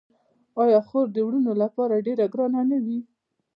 آیا خور د وروڼو لپاره ډیره ګرانه نه وي؟